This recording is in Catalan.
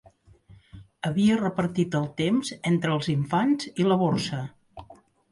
Havia repartit el temps entre els infants i la borsa.